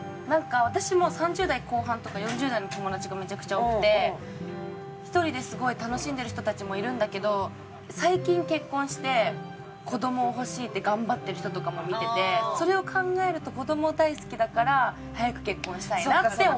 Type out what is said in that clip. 私も３０代後半とか４０代の友達がめちゃくちゃ多くて１人ですごい楽しんでる人たちもいるんだけど最近結婚して子ども欲しいって頑張ってる人とかも見ててそれを考えると子ども大好きだから早く結婚したいなって思う。